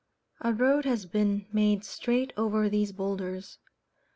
A road has been made straight over these boulders.